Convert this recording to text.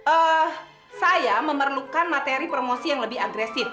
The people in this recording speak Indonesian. eh saya memerlukan materi promosi yang lebih agresif